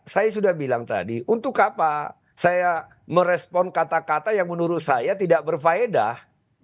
saya sudah bilang tadi untuk apa saya merespon kata kata yang menurut saya tidak berfaedah